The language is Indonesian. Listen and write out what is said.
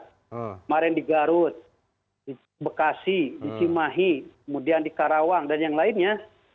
kemarin di garut di bekasi di cimahi kemudian di karawang dan yang lainnya